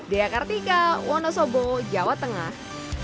dekartika wonosobo jawa tengah